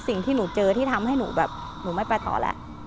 สิ่งที่หนูเจอที่ทำให้หนูแบบหนูไม่ไปต่อแล้ว